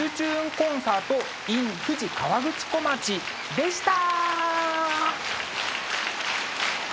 コンサートｉｎ富士河口湖町」でした！